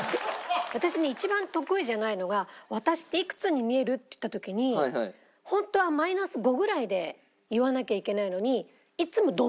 私ね一番得意じゃないのが「私っていくつに見える？」って言った時にホントはマイナス５ぐらいで言わなきゃいけないのに。